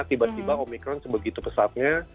tiba tiba omikron sebegitu pesatnya